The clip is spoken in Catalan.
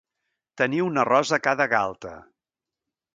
Tenir una rosa a cada galta.